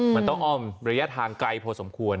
มันต้องอ้อมระยะทางไกลพอสมควร